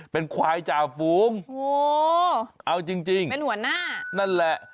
เป็นควายจ่าฝูงโอ้โหเอาจริงจริงเป็นหัวหน้านั่นแหละ